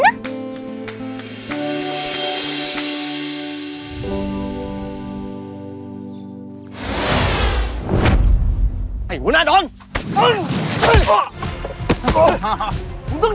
ฉันจะตัดพ่อตัดลูกกับแกเลย